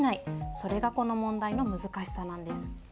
それがこの問題の難しさなんです。